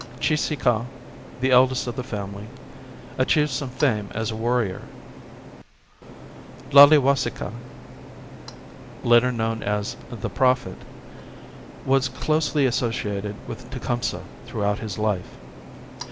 Cheeseekau, the eldest of the family, achieved some fame as a warrior. Laulewasi kaw, later known as " the Prophet," was closely associated with Tecumseh throughout his life.